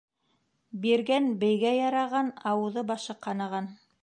Биргән бейгә яраған, ауыҙы-башы ҡанаған.